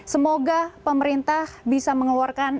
semoga pemerintah bisa mengeluarkan